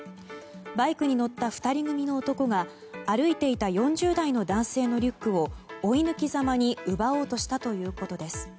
バイクに乗った２人組の男が歩いていた４０代の男性のリュックを追い抜きざまに奪おうとしたということです。